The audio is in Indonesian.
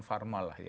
pharma lah ya